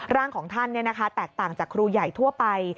ร่างของท่านแตกต่างจากครูใหญ่ทั่วไป